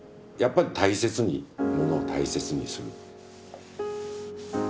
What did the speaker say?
やっぱり大切にものを大切にする。